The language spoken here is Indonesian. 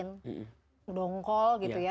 ngedongkol gitu ya